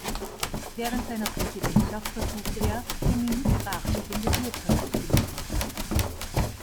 Während seiner Präsidentschaft versuchte er, Benins brachliegende Wirtschaft zu beleben.